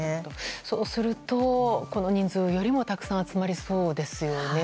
そうすると、この人数よりもたくさん集まりそうですよね。